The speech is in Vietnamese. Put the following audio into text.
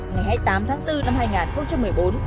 ngày hai mươi tám tháng bốn năm hai nghìn một mươi bốn